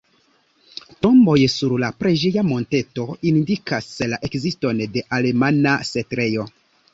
Tomboj sur la preĝeja monteto indikas la ekziston de alemana setlejo.